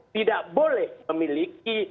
tidak boleh memiliki